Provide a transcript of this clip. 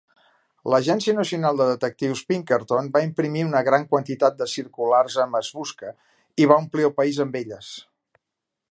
L'Agència Nacional de Detectius Pinkerton va imprimir una gran quantitat de circulars amb "Es busca" i va omplir el país amb elles.